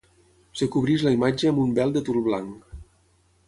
Es cobreix la imatge amb un vel de tul blanc.